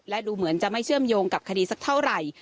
และดูเหมือนจะไม่เชื่อมโยงกับคดีสักเท่าไหร่